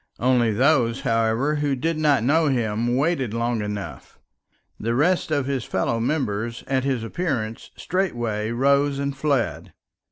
Only those, however, who did not know him waited long enough; the rest of his fellow members at his appearance straightway rose and fled.